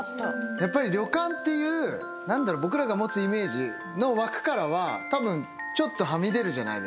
やっぱり旅館っていう僕らが持つイメージの枠からはたぶんちょっとはみ出るじゃないですか。